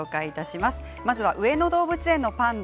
まずは上野動物園のパンダ。